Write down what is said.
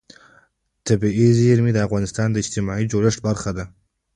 طبیعي زیرمې د افغانستان د اجتماعي جوړښت برخه ده.